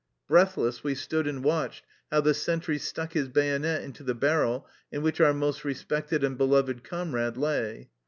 Breathless we stood and watched how the sentry stuck his bayonet into the barrel in which our most respected and beloved comrade lay.